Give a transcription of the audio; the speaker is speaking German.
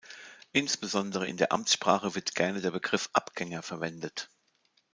Insbesondere in der Amtssprache wird gerne der Begriff Abgänger verwendet.